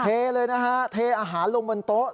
เทเลยนะฮะเทอาหารลงบนโต๊ะ